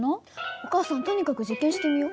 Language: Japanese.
お母さんとにかく実験してみよ。